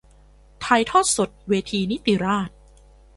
ถ่ายทอดสดเวทีนิติราษฎร์